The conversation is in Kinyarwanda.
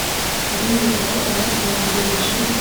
mujye mwibuka ko abatubanjirije